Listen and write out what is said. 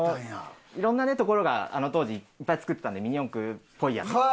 色んな所があの当時いっぱい作ってたんでミニ四駆っぽいやつを。